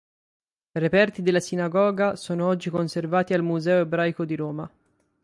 Reperti della sinagoga sono oggi conservati al Museo ebraico di Roma.